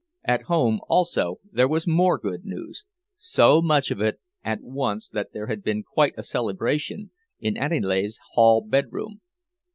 At home, also, there was more good news; so much of it at once that there was quite a celebration in Aniele's hall bedroom.